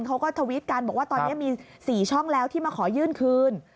ทวิตกันบอกว่าตอนนี้มี๔ช่องแล้วที่มาขอยื่นคืน